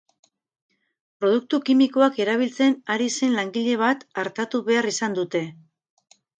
Produktu kimikoak erabiltzen ari zen langile bat artatu behar izan dute.